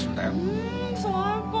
うん最高！